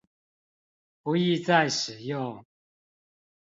不易再使用